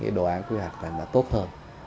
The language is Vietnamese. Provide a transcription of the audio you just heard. thì đồ án quy hoạch này là tốt hơn